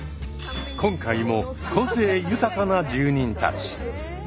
今回も個性豊かな住人たち。